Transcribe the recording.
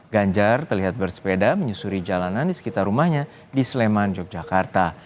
ganjar terlihat bersepeda menyusuri jalanan di sekitar rumahnya di sleman yogyakarta